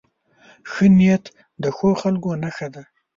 ښه نیت د ښو خلکو نښه ده.